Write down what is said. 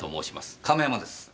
亀山です。